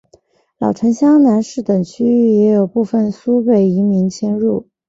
老城厢南市等区域也有部分苏北移民迁入。